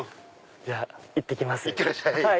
じゃあいってきます。